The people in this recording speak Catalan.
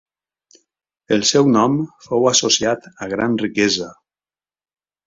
El seu nom fou associat a gran riquesa.